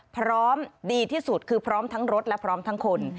พร้อมดีที่สุดคือพร้อมทั้งรถและพร้อมทั้งคน